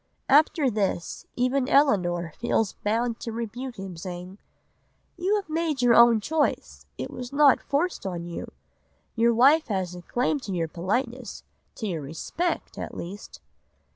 '" After this even Elinor feels bound to rebuke him, saying: "'You have made your own choice. It was not forced on you. Your wife has a claim to your politeness, to your respect, at least.